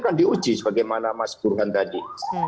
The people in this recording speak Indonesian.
kan diuji sebagaimana mas burhan tadi